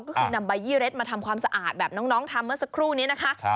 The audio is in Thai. ก็คือนำใบยี่เร็ดมาทำความสะอาดแบบน้องทำเมื่อสักครู่นี้นะคะ